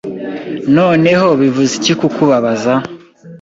Noneho bivuze iki kukubaza